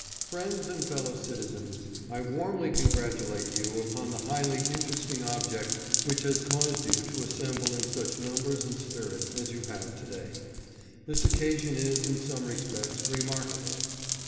Friends and Fellow Citizens : I warmly congratulate you upon the highly interesting object which has caused you to assemble in such num bers and spirit as you have to day. This occasion is, in some respects, remarkable.